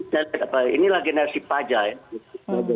jadi saya lihat apa inilah generasi paja ya